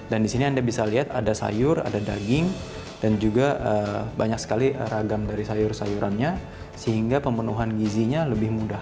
dan di sini anda bisa lihat ada sayur ada daging dan juga banyak sekali ragam dari sayur sayurannya sehingga pemenuhan gizinya lebih mudah